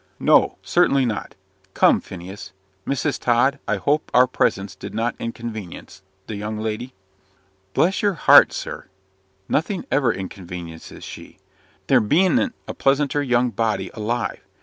"No certainly not. Come, Phineas. Mrs. Tod, I hope our presence did not inconvenience the young lady?" "Bless your heart, sir! nothing ever inconveniences she. There bean't a pleasanter young body alive.